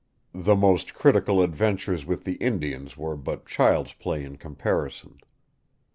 The most critical adventures with the Indians were but child's play in comparison.